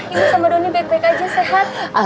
ibu sama doni baik baik aja sehat